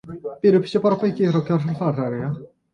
“Oh, the deception and villainy of the man!” said the widow.